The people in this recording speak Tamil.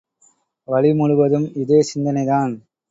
வழி முழுவதும் இதே சிந்தனைதான்.